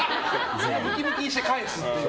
ムキムキにして帰すっていう